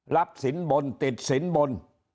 รับสินบนติดสินบน